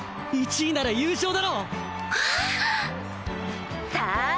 １位なら優勝だろさあ